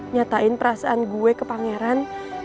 nyatain perasaan gue ke pangeran